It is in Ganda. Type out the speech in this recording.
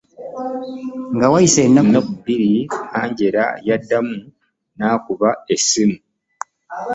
Nga wayise ennaku endala bbiri, Angela yaddamu n'akuba essimu.